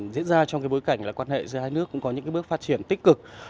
diễn ra trong cái bối cảnh quan hệ giữa hai nước cũng có những bước phát triển tích cực